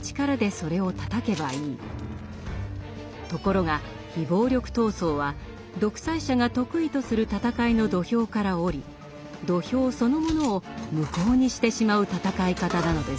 ところが非暴力闘争は独裁者が得意とする戦いの土俵から降り土俵そのものを無効にしてしまう闘い方なのです。